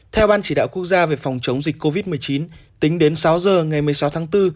theo ban chỉ đạo quốc gia về phòng chống dịch covid một mươi chín tính đến sáu giờ ngày một mươi sáu tháng bốn